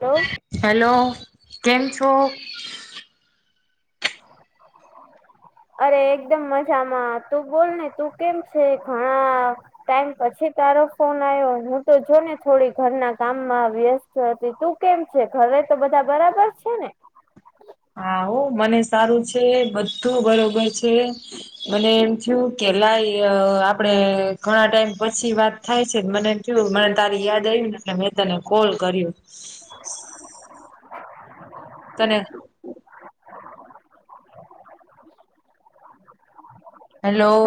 Hello hello કેમ છો? અરે એકદમ મજામાં તું બોલ ને તું કેમ છે? ઘણા ટાઈમ પછી તારો ફોન આવ્યો હું તો જો ને થોડી ઘરના કામમાં વ્યસ્ત તું કેમ છે ઘરે તો બધા બરાબર છે ને હા હો મને સારું છે બધું બરોબર છે મને એમ થયું કે લાઈ આપડે ઘણા ટાઈમ પછી વાત થાય છે મને જોયું મને તારી યાદ આવી ને એટલે મેં તને કોલ કર્યું [inaudible] તને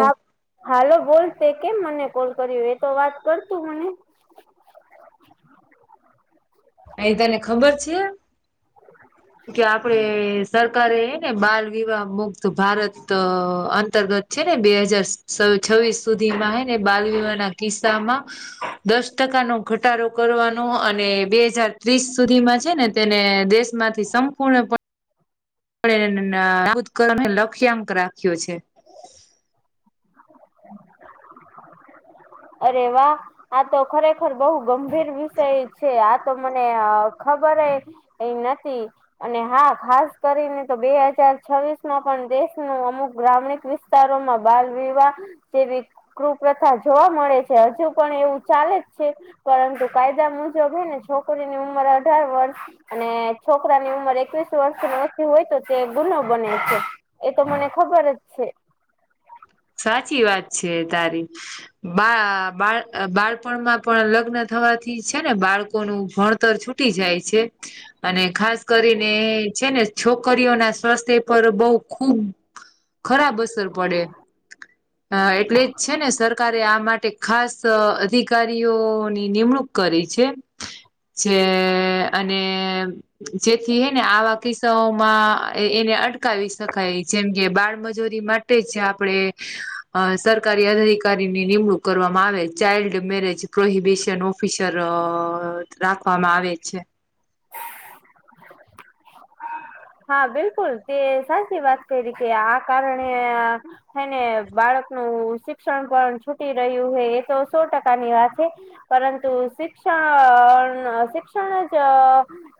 હા હાલો બોલ તે કેમ મને કોલ કર્યું એ તો વાત કરતું મને એ તને ખબર છે [inaudible] કે આપડે સરકારે હેને બાલ વિવાહ મુક્ત ભારત અંતર્ગત છે ને બે હજાર છ છવીશ સુધીમાં છે ને બાલવિવાહ ના કિસ્સા માં દસ ટકાનો ઘટાડો કરવાનો અને બે બે હજાર ત્રીસ સુધીમાં છે ને તેને દેશમાંથી સંપૂર્ણપણે [unintelligible] લક્ષ્યાંક રાખ્યો છે [inaudible] અરે વાહ આ તો ખરેખર બહુ ગંભીર વિષય છે આ તો મને ખબર એ નથી અને હા ખાસ કરીને તો બે હજાર છવ્વીસ માં પણ દેશનું અમુક ગ્રામિક વિસ તારોમાં બાલ વિવાહ જેવી કુપ્રથા જોવા મળે છે હજુ પણ એવું ચાલે જ છે પરંતુ કાયદા મુજબ હેને છોકરીની ઉંમર અઢાર વર્ષ અને છોકરાની ઉંમર એકવીસ વર્ષની ઓછી હોય તો તે ગુનો બને છે એ તો મને ખબર જ છે સાચી વાત છે તારી બા બાળ બાળપણમાં પણ લગ્ન થવાથી છે ને બાળકોનું ભણતર છૂટ [unintelligible] જાય છે અને ખાસ કરીને છે ને છોકરીઓના સ્વાસ્થ્ય પર બહ ખુબ ખરાબ અસર પડે અ એટલે જ છે ને સરકારે આ માટે ખાસ અધિકારીઓની નિમણૂક કરી છે જે અને જેથી હે ને આવા કિસ્સાઓ માં એને અટકાવી શકાય જેમ કે બાળમજૂરી માટે જે આપડણે અ સરકારી અધિકારીને નિમણૂક કરવામાં આવે ચાઇલ્ડ મેરેજ પ્રોહિબિશન ઓફિસર રાખવામાં આવે છે હા બિલકુલ તે સાચી વાત કરી કે આ કારણે હને બાળક નું શિક્ષણ પણ છૂટી રહ્યું હ એ તો સો ટકા ની વાત છે પરંતુ શિક્ષણ શિક્ષણ જ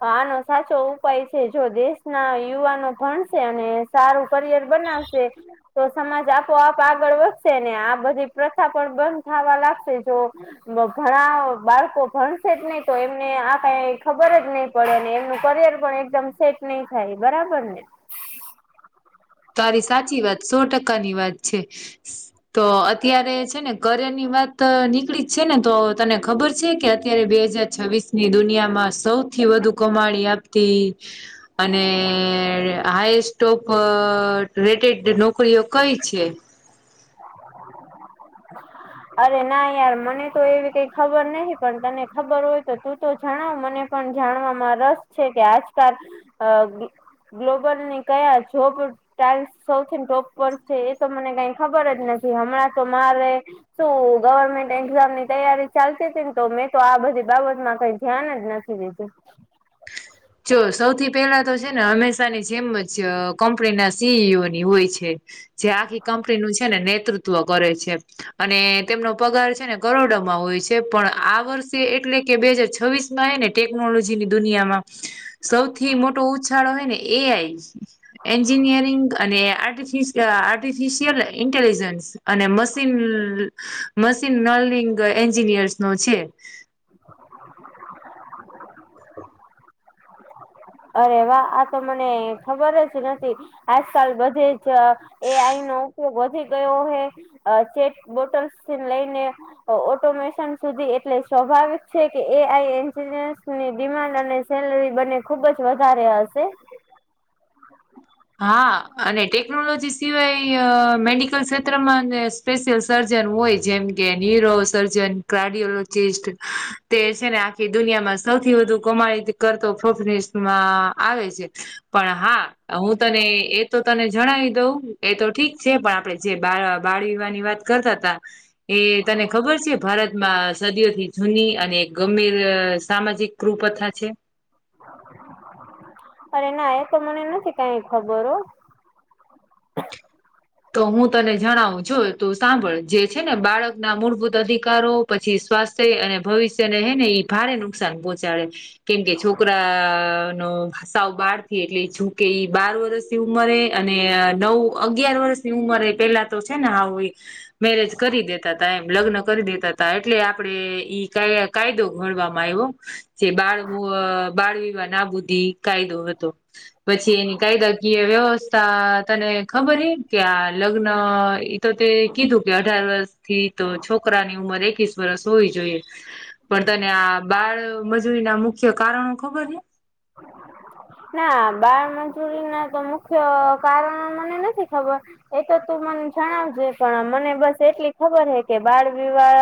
હા ન સાચો એવું કઈ છે જો દસ ના યુવાનો ભણશે અને સારું કરિયર બનાવશે તો સમાજ આપોઆપ આગળ વધશે ને આ બધી પ્રથા પણ બંધ થવા લાગશે જો ઘણા બાળકો ભણસે જ નહી તો એમને આ કઈ ખબર જ નહી પડેને એમનું કરિયર પણ એકમ સેટ નહી થાય બરાબર ને તારી સાચી વાત સો ટકાની વાત છે તો અત્યારે છે ને કરર ની વાત નીકળી જ છે ને તો તને ખબર છે કે અત્યારે બે હજાર છવ્વીસની દુનિયામાં સૌથી વધુ કમાણી આપી અને હાય સોફ અ રેટેડ નોકરીઓ કઈ છે હા અરે ના યાર મને તો એવી કઈ ખબર નહી પણ તને ખબર હોય તો તું તો જણાવ મને પણ જાણવામાં રસ છે કે આજકાલ ગ્લોબલ ની કયા છોપ. ટઇલ્સ સૌથી ટોપ પર છે એ તો મને કઈ ખબર જ નથી હમણાં તો મારે શું ગવર્મેન્ટ એક્ઝામ ની તૈયારી ચાલતી હતી ને તો મેં તો આ બધી બાબતમાં કઈ ધ્યાન જ નથી. બ છે. જો સૌથી પહેલા તો છે ને હંમેશાની જેમ જ કંપનીના સીઈઓ ની હોય છે. જે આખી કંપની નુ છેને, નેતૃત્વ કરે છે. અને તેમનો પગાર છે ને કરોડમાં હોય છે પણ આ વર્ષે એટલે કે બે હાજર છવ્વીસ. ના ને ટેકનોલોજી ની દુનિયામા સૌથી મોટો ઉછાળો હોય, ને એઆઈ એન્જિનિયરિંગ અને આર્ટિફિ કે આર્ટિફિશિયલ ઇન્ટટેલિજન્સ અને મશીન મશીન નર્નિંગ એન્જિનિયર્સ નો છે. [inaudible] હા અરે વાહ આ તો મને ખબર જ નથી આજકાલ બધે જ એ અહી નો ઉપયોગ વધી ગયો હ અ ચેટ બોટલ્સ થી લઈને ઓટોમેશન સુધી એટલે સ્વાભાવિક છે, કે એ આઈ એન્જિનિયન્સની ડિમાન્ડ અને સેલરી બને ખુબ જ વધારે હશે હા અને ટેકનોલોજી સિવાય મેડિકલ ક્ષેત્રમાં અને સ્પેશિયલ સર્જન હોય, જેમ કે ન્યુરો સર્જન કાર્ડિયોલોજીસ્ટ તે છે ને આખી દુનિયામાં સૌથી વધુ કોમાડી કરતોોફમાં આવે છે. પણ હા હું તને એ તો તને જણાવી દઉં એ તો ઠીક છે પણ આપડે જે બા બાળ વિવાહની વાત કરતા હતા એ તને ખબર છે, ભારતમા સદી થી જૂની અને એક ગંભીર સામાજિક કૃપથા છે. અ એને આ તો મને નથી કઈ ખબર હો તો હું તને જણાવું છું તો સાંભળ જે છે ને બાળક ના મૂળભૂત અધિકારો પછી સ્વાસ્થ્ય અને ભવિષ્યને હે ને ભારે નુકસાન પહોંચાડે કેમકે છોકરા નો સાવ બારથી એટલે જોકે બાર વર્ષ ઉંમરે અને નવ અગિયાર વર્ષની ઉંમરે પેલા તો છે. મેરેજ કરી દેતા તા એમ લગ્ન કરી દેતા ત એટલે આપડે ઈ કયા કાયદો ઘણવામાં આવ્યો જે બાળ બાળ વિવાહ નાબુદીી કાયદો હતો. પછી એની કાયદાકીય વ્યવસ્થા તને ખબર એ કે આ લગ્ન એ તો તે કીધું કે અઢાર વર્ષ થી તો છોકરાની ઉંમર એકી વરસ હોવી જોઈએ પણ તને આ બાળમજૂરી ના મુખ્ય કારણો ખબર ને [inaudible] ના બાળ મંજૂરી ના તો મુખ્ય કારણ મને નથી ખબર એ તો તું મને જણાવજે પણ મને બસ એટલી ખબર હે કે બાળ વિિવાળ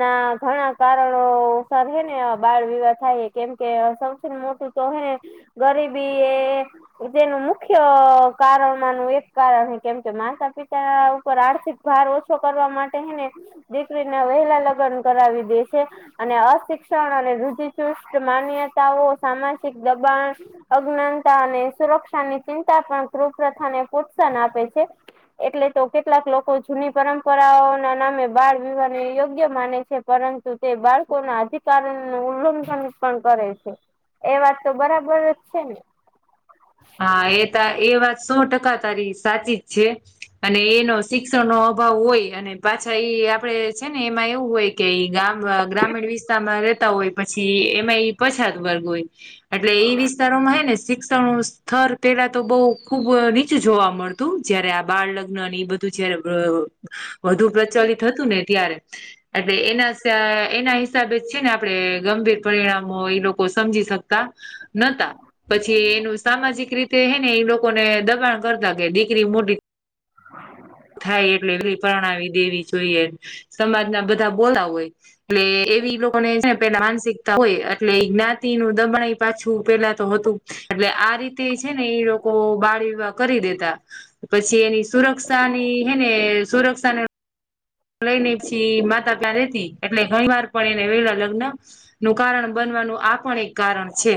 ના ઘણા કારણોસ રહે ને બાળ વિવાહ થાય કેમ કે સૌથી ને મોટી તો હ ગરીબી એ જેનું મુખ્ય કારણનું એક કારણ કેમ કે માતા પિતા ઉપર આર્થિક ભાર ઓછો કરવા માટે એને દીકરીના વહેલા લગ્ન કરાવી દે છે. અને અશિક્ષણ અને રુધિચુષ માન્યતાઓ સામાજિક દબાણ અજ્ઞાનતા અને સુરક્ષા ની ચિંતા પણ કૃહ પ્રથાને પ્રોત્સાહન આપે છે. એટલે તો કેટલાક લોકો જૂની પરંપરાઓ ના નામે બાળ વિવાહ ને યોગ્ય માને છે. પરંતુ તે બાળકો ના અધિકાર ન ઉલ્લંઘન પણ કરે છે. એ વાત તો બરાબર જ છે. હા એ ત એ વાત સો ટકા તારી સાચી જ છે. અને એનો શિક્ષણ નો અભાવ હોય અને પાછા એ આપણે છે ને એમાં એવું હોય. કે ઈ ગામ ગ્રામીણ વિસ્તારમાં રેતા હોય પછી એમાં ઈ પછાત વર્ગ હોય. એટલે એ વિસ્તારોમાં હ ને શિક્ષણ થર પેલા તો બહ ખુબ નીચું જોવા મળતું જયારે આ બાળ લગ્ન ની બધું જયારે વધુ પ્રચલિત હતું ને ત્યારે એટલે એના સ એના હિસાબે છે ને આપણે ગંભીર પરિણામો એ લોકો સમજી શકતા નતા પછી એનું સામાજિક રીતે હે ને એ લોકોને દબાણ કરતા કે દીકરી મોટી થાય એટલે એલી પરણાવી દેવી જોઈએ સમાજ ના બધા બોલા હોય એટલે એવી લોકો ને પેલા માનસિક હોય એટલે એ જ્ઞાતિ નું દબણાઈ પાછું પેલા તો હતું એટલે આ આ રીતે છે ને એ લોકો બાળ વિહ કરી દેતા પછી એની સુરક્ષાની હે ને સુરક્ષાને લઈ ને પછી માતા પ્યા રેતી એટલે ઘણી વાર પણ એને વેલા લગ્ન નું કારણ બનવાનું આ પણ એક કારણ છે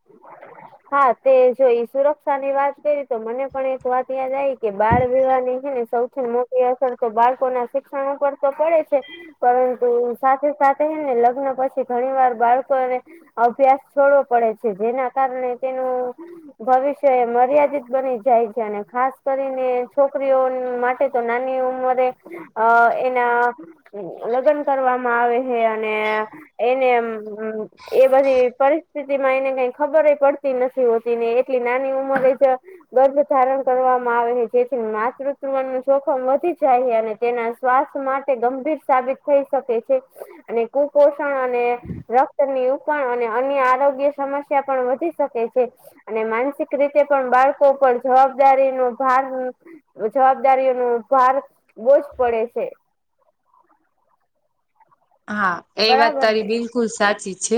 [inaudible] હા તે જો ઈ સુરક્ષા ની વાત કરી તો મને પણ એક વાત યાદ આવી કે બાળ વિહ નીને સૌ મોટી અસર તો બાળકો ના શિક્ષણ ઉપર તો પડે છે પરંતુ સાથે સાથે ને લગ્ન પછી ઘણી વાર બાળકોને અભ્યાસ છોડવો પડે છે જેના કારણે તેનું ભવિષ્ય એ મર્યાદિત બની જાય છે અને ખાસ કરીને છોકરીઓ માટે સોનાનીમ મ અ એના લગ્ન કરવામાં આવે છે અને એને એ બધી પરિસ્થિતિ માં એને કઈ ખબર પડતી નથી હોતી ને એટલી નાની ઉંમરે જ ગર્ભ ધારણ કરવામાં આવે જેથી માતૃતવ નું જોખમ વધી જાય અને તેના સ્વાસ્થ માટે ગંભીર સાબિત થઈ શકે છે અને કુપોષણ અને રક્તની ઉપણ અને અન્ય આરોગ્ય સમસ્યા પણ વધી શકે છે અને માનસિક રીતે પણ બાળકો પર જવાબદારી નો ભાર જવાબદારીઓનો ભાર બોજ પડે છે હા એ વાત બરાબર ને તારી બિલકુલ સાચી છે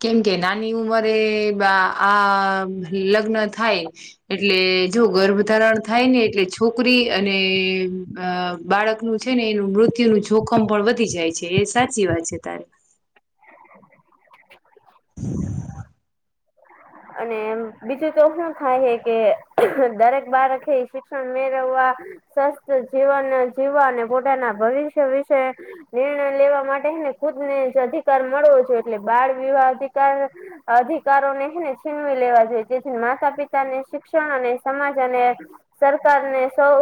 કેમ કે નાની ઉંમરે આ લગ્ન થાય એટલે જો ગર્ભ ધારણ થાય ને એટલે છોકરી અને બાળકનું છે ને એનું મૃત્યુનું જોખમ પણ વધી જાય છે એ સાચી વાત છે તારી [inaudible] અને બીજું તો શું થાય કે દરેક બાળકે શિક્ષણ મેળવવા સ્વસ્થ જીવન જીવવા અને પોતાના ભવિષ્ય વિશે નિર્ણય લેવા માટેને ખુદ ને જ અધિકાર મળવો છો એટલે બાળ વિવાહ અધિકાર અધિકારો ને હેને છીનવી લેવા જોઈએ જેથી માતા પિતાને શિક્ષણ અને સમાજ અને સરકાર ને સૌ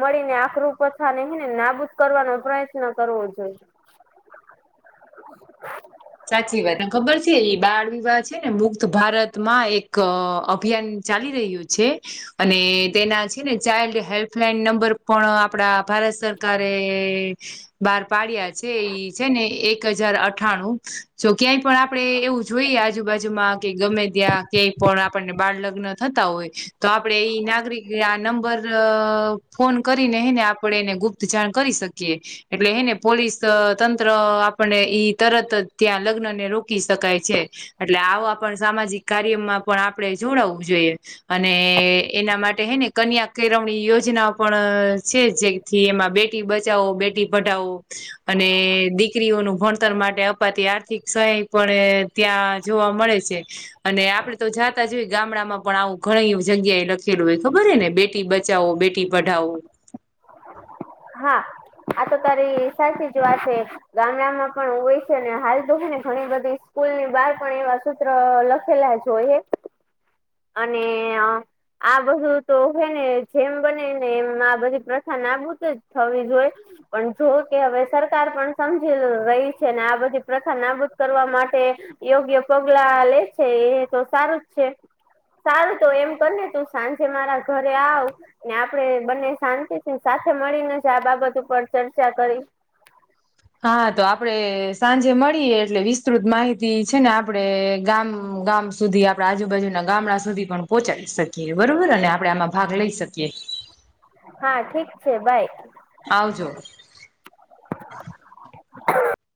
મળીને આખરું પ્રથાનેને નાબૂદ કરવાનો પ્રયત્ન કરવો જોઈએ સાચી વાત ખબર છે બાળ વિવાહ છે ને મુક્ત ભારત માં એક અભિયાન ચાલી રહ્યું છે. અને તેના છે ને ચાઇલ્ડ હેલ્પલાઈન નંબર પણ આપડા ભારત સરકારે બાર પાડિયા છે એ છે ને એક હજાર અઠાણું તો ક્યાંય પણ આપડણે એવું જોઈએ આજુબાજુમાં કે ગમે ત્યા ક્યાંય પણ આપણને બાળલગ્ન થતા હોય તો આપણેે એ નાગરિક આ નંબર ફોન કરીને આપણે એને ગુપ્ત જાણ કરી શકીએ એટલે એને પોલીસ તંત્ર આપને ઈ તરત ત્યાં લગ્ન ને રોકી શકાય છે. એટલે આવા પણ સામાજિક કાર્યમાં પણ આપણે જોડાવવું જોઈએ. અને એના માટે હે ને કન્યા કેળવણી યોજનાઓ પણ છે જે થી એમાં બેટી બચાવો બેટી પઢાવો અને દીકરીઓનું ભણતર માટે બધી આર્થિક સહાય પણ ત્યાં જોવા મળે છે. અને આપડે તો જાતા જોઈએ ગામડામાં પણ આવું ઘણી જગ્યાએ લખેલું હોય ખબર હે ને બેટી બચાવો બેટી પઢાવો. હા આ તો તારી સાચી જ વાત છે. ગામડામાં પણ હોય છે અને હાલ તો હોય ને ઘણી બધી સ્કૂલ ની બહાર પણ એવા સૂત્ર લખેલા જોઈએ અને આ. આ બધું તો હોય ને જેમ બને ને એમ આ બધી પ્રથા નાબૂદ જ થવી જોય. પણ જો કે હવે સરકાર પણ સમજી રહી છે ને આ બધી પ્રથા નાબૂદ કરવા માટે યોગ્ય પગલા લે છે એ તો સારું જ છે. સારું તો એમ કર ને તું સાંજે મારા ઘરે આવ ને આપણેે બંને શાંતિ થી સાથે મળીને જ આ બાબત ઉપર ચર્ચા કરી હા તો આપડે સાંજે મળીએ એટલે વિસ્તૃત માહિતી છે ને આપડે ગામ ગામ સુધી આપણી આજુબાજુના ગામડા સુધી પણ પોહોંચાડી શકીએ બરોબરને આપડેમાં ભાગ લઈ શકીએ. હા ઠીક છે બાય. આવજો.